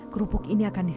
kerupuk ini akan disimpan